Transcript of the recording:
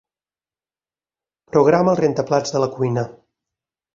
Programa el rentaplats de la cuina.